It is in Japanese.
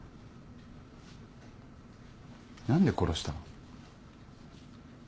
何で殺したの？